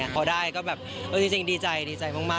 พอได้ก็แบบหรือจริงดีใจมาก